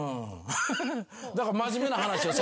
だから真面目な話を。